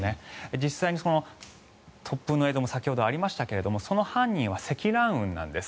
実際に突風の映像も先ほどありましたがその犯人は積乱雲なんです。